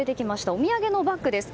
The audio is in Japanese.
お土産のバッグです。